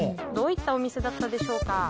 どういったお店だったでしょうか。